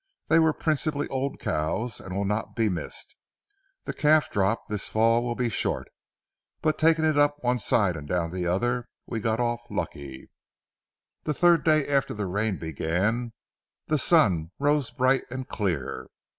They were principally old cows and will not be missed. The calf crop this fall will be short, but taking it up one side and down the other, we got off lucky." The third day after the rain began the sun rose bright and clear.